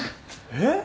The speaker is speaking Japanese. えっ！？